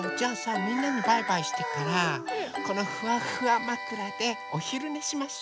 みんなにバイバイしてからこのフワフワまくらでおひるねしましょ。